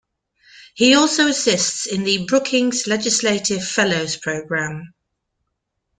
He also assists in the Brookings Legislative Fellows program.